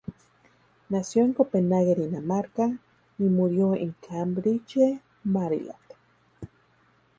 Nació en Copenhague, Dinamarca, y murió en Cambridge, Maryland.